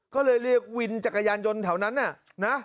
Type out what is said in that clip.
ก็เลยเรียกวินจักรยานยนต์แถวนั้นน่ะนะ